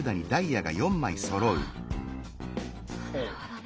あなるほどね。